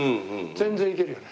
全然いけるよね。